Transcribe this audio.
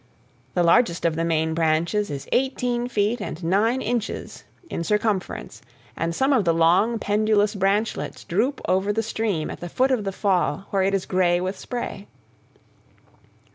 The largest of the main branches is eighteen feet and nine inches in circumference, and some of the long pendulous branchlets droop over the stream at the foot of the fall where it is gray with spray.